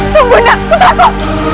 tunggu nanda putraku